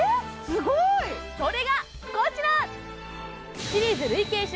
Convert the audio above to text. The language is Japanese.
すごい！それがこちら！